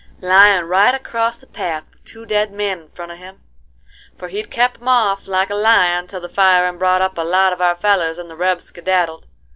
— "Lyin' right acrost the path with two dead men in front of him; for he'd kep 'em off like a lion till the firin' brought up a lot of our fellers and the rebs skedaddled.